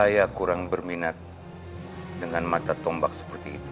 saya kurang berminat dengan mata tombak seperti itu